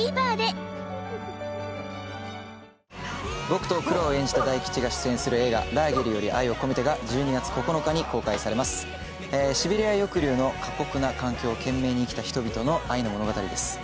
僕とクロを演じた大吉が出演する映画「ラーゲリより愛を込めて」が１２月９日に公開されますシベリア抑留の過酷な環境を懸命に生きた人々の愛の物語です